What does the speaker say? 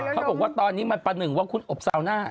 เขาบอกว่าตอนนี้มันประหนึ่งว่าคุณอบซาวน่า